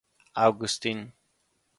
Augustine.